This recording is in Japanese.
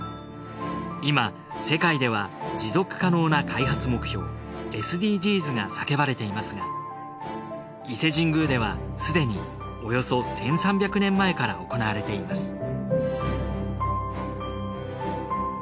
今世界では持続可能な開発目標ＳＤＧｓが叫ばれていますが伊勢神宮ではすでにおよそ１３００年前から行われています